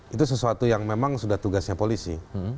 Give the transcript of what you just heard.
itu sesuatu yang memang sudah tugasnya polisi